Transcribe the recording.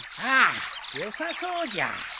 ああよさそうじゃ。